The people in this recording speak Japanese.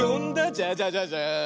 ジャジャジャジャーン。